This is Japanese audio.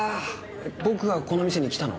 僕がこの店に来たの？